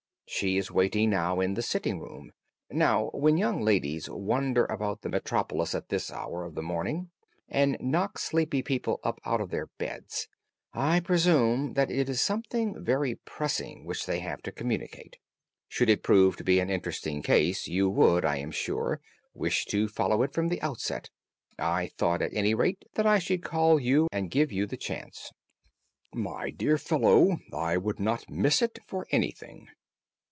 She is waiting now in the sitting room. Now, when young ladies wander about the metropolis at this hour of the morning, and knock sleepy people up out of their beds, I presume that it is something very pressing which they have to communicate. Should it prove to be an interesting case, you would, I am sure, wish to follow it from the outset. I thought, at any rate, that I should call you and give you the chance." "My dear fellow, I would not miss it for anything."